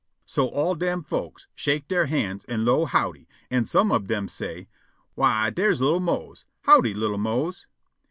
So all dem folks shake dere hands an' 'low "Howdy," an' some ob dem say: "Why, dere's li'l' Mose! Howdy, li'l' Mose?"